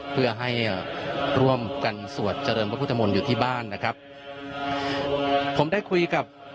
เพื่อให้ร่วมกันสวดเจริญพระพุทธมนต์อยู่ที่บ้านนะครับผมได้คุยกับ